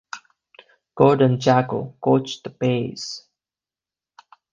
Gordon Jago coached the Bays.